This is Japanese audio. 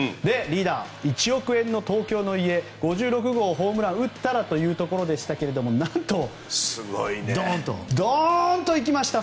リーダー、１億円の東京の家５６号ホームラン打ったらというところでしたがなんとドーンと行きました。